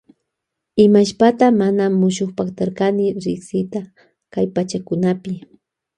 Imashpata mana mushukpaktarkani riksita kay pachakunapi.